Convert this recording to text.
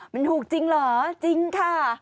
มันถูกจริงเหรอจริงค่ะ